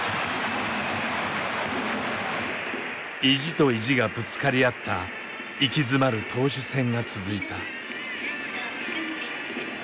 意地と意地がぶつかり合った息詰まる投手戦が続いた。